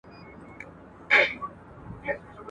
پرجوړي کړي دي باران او خټو خړي لاري.